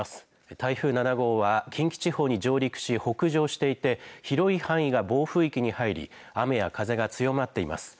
台風７号は、近畿地方に上陸し、北上していて、広い範囲が暴風域に入り、雨や風が強まっています。